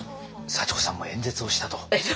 幸子さんも演説をしたと。